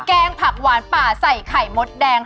แกงผักหวานป่าใส่ไข่มดแดง